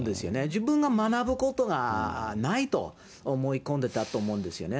自分が学ぶことがないと思い込んでたと思うんですよね。